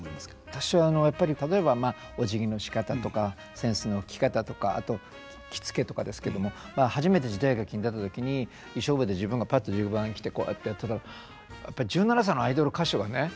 私はやっぱり例えばまあおじぎのしかたとか扇子の置き方とかあと着付けとかですけども初めて時代劇に出た時に衣装部屋で自分がぱっとじゅばん着てこうやってやってたらやっぱり１７歳のアイドル歌手がね。